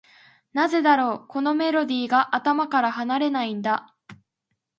なぜだろう、このメロディーが頭から離れないんだ。